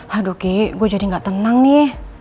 haduh ki gue jadi gak tenang nih